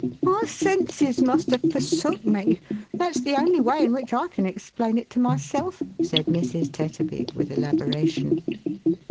"My senses must have forsook me. That's the only way in which I can explain it to myself," said Mrs. Tetterbv, with elaboration.